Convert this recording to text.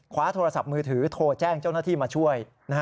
โทรศัพท์มือถือโทรแจ้งเจ้าหน้าที่มาช่วย